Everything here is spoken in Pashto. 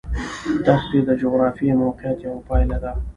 دښتې د جغرافیایي موقیعت یوه پایله ده.